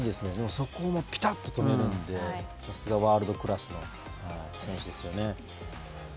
でも、そこをぴたっと止めるんでさすがワールドクラスの選手ですよね。